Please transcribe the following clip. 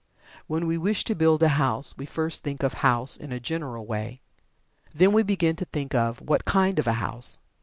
When we wish to build a house, we first think of "house" in a general way. Then we begin to think of "what kind" of a house.